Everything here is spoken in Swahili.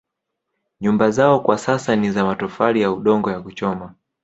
Nyumba zao kwa sasa ni za matofali ya udongo ya kuchoma